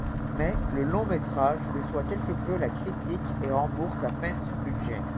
Mais le long-métrage déçoit quelque peu la critique, et rembourse à peine son budget.